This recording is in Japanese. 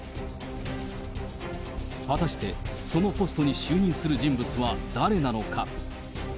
果たして、そのポストに就任する人物は誰なのか。